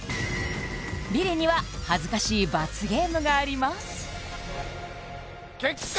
ビリには恥ずかしい罰ゲームがあります結果